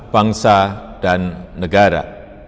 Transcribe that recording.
bangsa dan negara